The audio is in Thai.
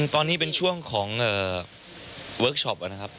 ตอนนี้เป็นช่วงของเวิร์คชอปนะครับ